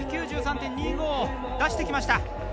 ９３．２５を出してきました。